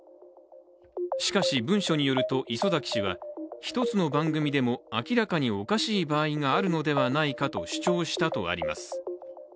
しかし、文書によると礒崎氏は１つの番組でも明らかにおかしい場合があるのではないかと主張したとあります。